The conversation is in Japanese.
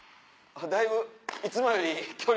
だいぶいつもより距離。